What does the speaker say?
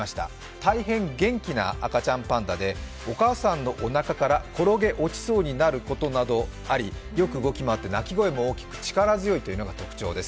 大変元気な赤ちゃんパンダでお母さんのおなかから転げ落ちそうになることなどもあり、よく動き回って鳴き声も大きく力強いというのが特徴です。